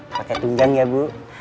pakai tunjang ya bu